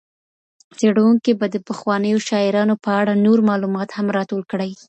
څېړونکي به د پخوانیو شاعرانو په اړه نور معلومات هم راټول کړي.